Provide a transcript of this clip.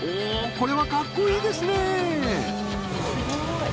これはかっこいいですね！